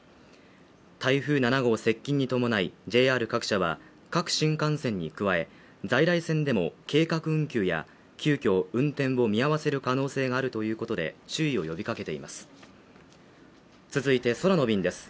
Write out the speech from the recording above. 台風７号接近に伴いＪＲ各社は各新幹線に加え在来線でも計画運休や急きょ運転を見合わせる可能性があるということで注意を呼びかけています続いて空の便です